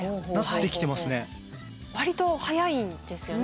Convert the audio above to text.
割と早いんですよね。